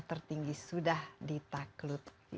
yang tertinggi sudah ditaklut